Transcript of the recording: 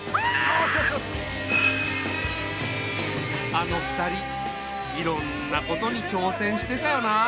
あの２人いろんなことにちょうせんしてたよなあ。